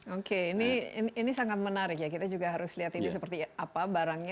oke ini sangat menarik ya kita juga harus lihat ini seperti apa barangnya